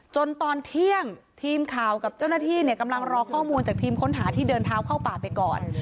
ตอนเที่ยงทีมข่าวกับเจ้าหน้าที่เนี่ยกำลังรอข้อมูลจากทีมค้นหาที่เดินเท้าเข้าป่าไปก่อน